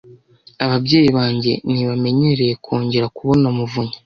Ababyeyi banjye ntibanyemereye kongera kubona Muvunnyi.